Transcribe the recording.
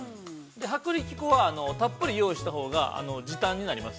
薄力粉はたっぷり用意したほうが時短になります。